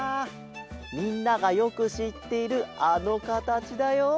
みんながよくしっているあのかたちだよ！